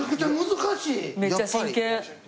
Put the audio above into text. めっちゃ真剣。